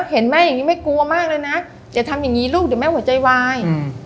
เห็นแม่อย่างนี้ไม่กลัวมากเลยนะอย่าทำอย่างงี้ลูกเดี๋ยวแม่หัวใจวายอืม